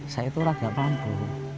saya itu orang gak mampu